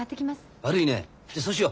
悪いねじゃそうしよう。